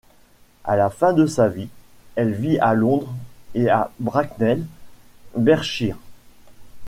À la fin de sa vie, elle vit à Londres et à Bracknell, Berkshire.